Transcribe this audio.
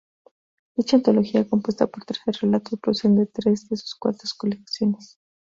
Dicha antología, compuesta por trece relatos, proceden de tres de sus cuatro colecciones.